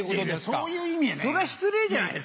そういう意味やない。